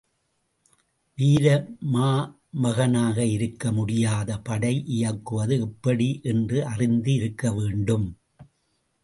வீர மாமகனாக இருக்க முடியாது படை இயக்குவது எப்படி என்று அறிந்து இருக்க வேண்டும்.